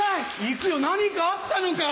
行くよ何かあったのか？